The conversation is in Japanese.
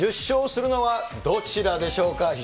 １０勝するのはどちらでしょうか。